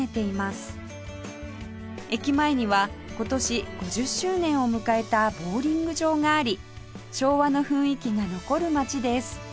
駅前には今年５０周年を迎えたボウリング場があり昭和の雰囲気が残る街です